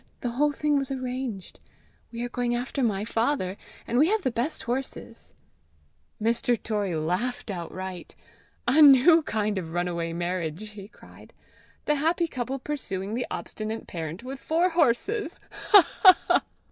The whole thing was arranged. We are going after my father, and we have the best horses." Mr. Torrie laughed outright. "A new kind of runaway marriage!" he cried. "The happy couple pursuing the obstinate parent with four horses! Ha! ha! ha!"